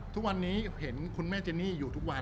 รูปนั้นผมก็เป็นคนถ่ายเองเคลียร์กับเรา